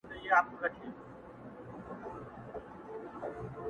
ليونى نه يم ليونى به سمه ستـا له لاســـه.